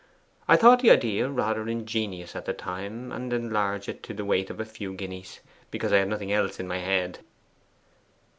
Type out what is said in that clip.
I thought the idea rather ingenious at the time, and enlarged it to the weight of a few guineas, because I had nothing else in my head.